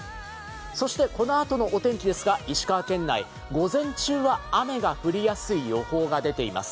そして、このあとのお天気ですが、石川県内、午前中は雨が降りやすい予報が出ています。